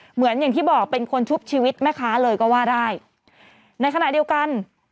เหมือนอย่างที่บอกเป็นคนชุบชีวิตแม่ค้าเลยก็ว่าได้ในขณะเดียวกัน